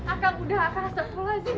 akang udah akang astagfirullahaladzim